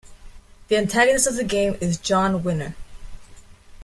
The antagonist of the game is John Winner.